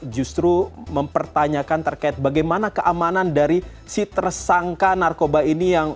justru mempertanyakan terkait bagaimana keamanan dari si tersangka narkoba ini yang